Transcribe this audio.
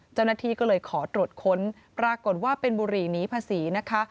เจ้าหน้าที่ก็เลยขอตรวจค้นปรากฏว่าเป็นบุหรี่หนีภาษีนะคะ